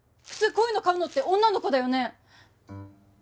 普通こういうの買うのって女の子だよね